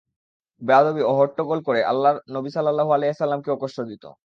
বেয়াদবি ও হট্টগোল করে আল্লাহর নবী সাল্লাল্লাহু আলাইহি ওয়াসাল্লাম-কে ও কষ্ট দিত।